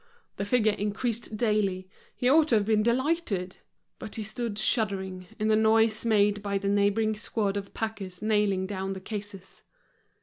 The figure increased daily, he ought to have been delighted. But he stood shuddering, in the noise made by the neighboring squad of packers nailing down the cases.